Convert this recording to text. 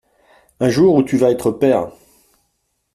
Un jour où tu vas être père !